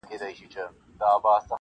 چي دي سرې اوښکي رواني تر ګرېوانه -